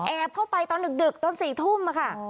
เข้าไปตอนดึกตอน๔ทุ่มค่ะ